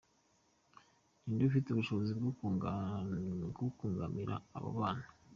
Ni nde ufite ubushobozi bwo kubangamira abo babana